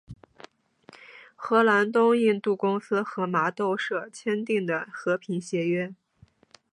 荷兰东印度公司和麻豆社签订的和平协约。